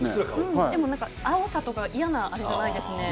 でもなんか青さとか、嫌なあれじゃないですね。